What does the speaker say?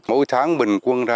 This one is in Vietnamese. mỗi tháng bình quân ra